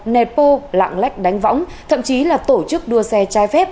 nẹt bô lạng lách đánh võng thậm chí là tổ chức đua xe trái phép